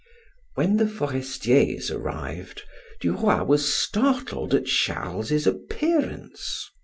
When the Forestiers arrived, Duroy was startled at Charles's appearance.